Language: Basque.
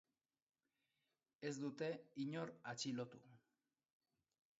Ez dute inor atxilotu.